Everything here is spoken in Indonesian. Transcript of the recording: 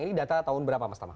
ini data tahun berapa mas tama